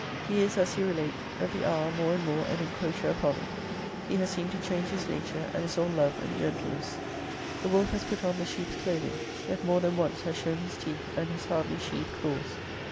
] He is, as you relate, every >>> hour more and more an encroacher upon it. He has seemed to change his nature, and is all love and >>> gentleness. The wolf has put on the sheep's cloth ing; yet more than once has shown his teeth, and his hardly sheathed claws.